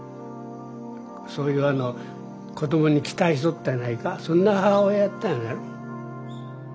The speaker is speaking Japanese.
そういうの子供に期待しとったんやないかそんな母親やったんやろ。